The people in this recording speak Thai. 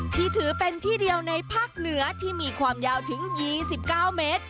ที่ถือเป็นที่เดียวในภาคเหนือที่มีความยาวถึง๒๙เมตร